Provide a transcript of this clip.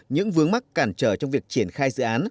những vướng mắc cản trở trong việc triển khai dự án